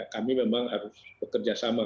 kami memang harus bekerja sama